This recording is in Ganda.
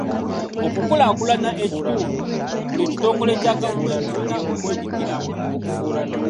Okukulaakulanya ekitundu, buli kitongole kya gavumenti kirina okwenyigiramu.